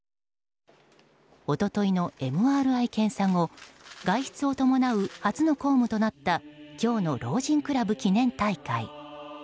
一昨日のＭＲＩ検査後外出を伴う初の公務となった今日の老人クラブ記念大会。